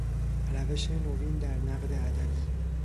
روش نوین در نقد ادبی